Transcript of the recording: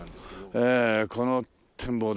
えこの展望台。